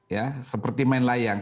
ya seperti main layang